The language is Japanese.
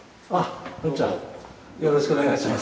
よろしくお願いします。